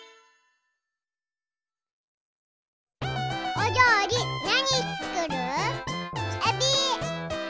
おりょうりなにつくる？えび。